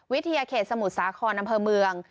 เขตสมุทรสาครอำเภอเมือง